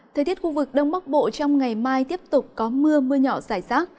thời tiết khu vực đông bắc bộ trong ngày mai tiếp tục có mưa mưa nhỏ xảy xác